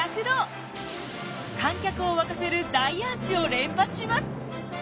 観客を沸かせる大アーチを連発します。